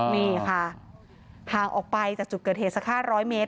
นี่ค่ะห่างออกไปจากจุดเกิดเหตุสัก๕๐๐เมตร